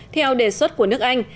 theo đề xuất của nước anh